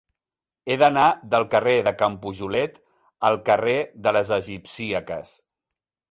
He d'anar del carrer de Can Pujolet al carrer de les Egipcíaques.